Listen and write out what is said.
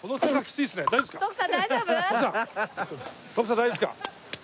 徳さん大丈夫ですか？